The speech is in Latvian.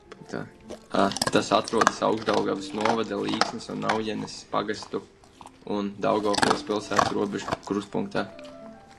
Tas atrodas Augšdaugavas novada Līksnas un Naujenes pagastu un Daugavpils pilsētas robežu krustpunktā.